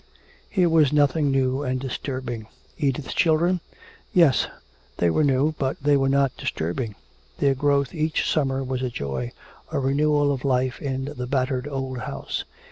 Here was nothing new and disturbing. Edith's children? Yes, they were new, but they were not disturbing. Their growth each summer was a joy, a renewal of life in the battered old house.